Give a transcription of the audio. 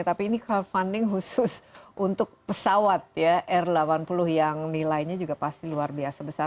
tapi ini crowdfunding khusus untuk pesawat ya r delapan puluh yang nilainya juga pasti luar biasa besar